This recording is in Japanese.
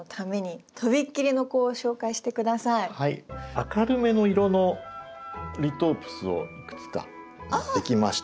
明るめの色のリトープスをいくつか持ってきました。